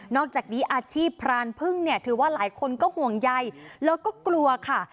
อกจากนี้อาชีพพรานพึ่งเนี่ยถือว่าหลายคนก็ห่วงใยแล้วก็กลัวค่ะ